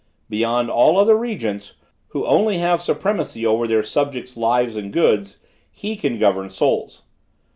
Beyond all other regents, who only have supremacy over their subjects' lives and goods, he can govern souls.